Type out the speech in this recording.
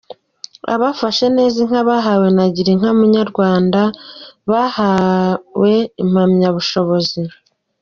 Abafashe neza inka bahawe na Girinka Munyarwanda Rwanda, bahawe impamyabushobozi